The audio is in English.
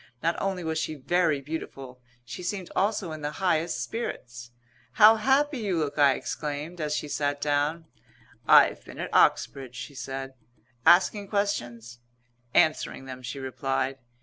Not only was she very beautiful; she seemed also in the highest spirits. "How happy you look!" I exclaimed, as she sat down. "I've been at Oxbridge," she said. "Asking questions?" "Answering them," she replied.